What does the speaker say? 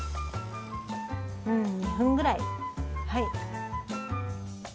うん２分ぐらいはい。